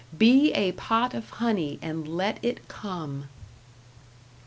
Be a pot of honey and let it come.